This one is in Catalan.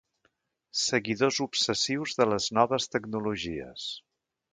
Seguidors obsessius de les noves tecnologies.